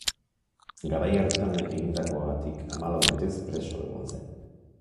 Garai hartan egindakoagatik, hamalau urtez preso egon zen.